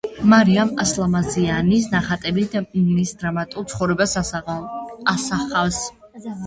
მარიამ ასლამაზიანის ნახატები მის დრამატულ ცხოვრებას ასახავს.